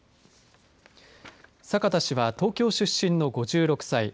阪田氏は東京出身の５６歳。